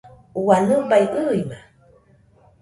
ua nɨbai ɨima!